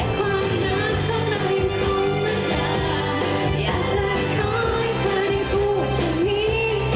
อยากจะขอให้เธอพูดฉันนี้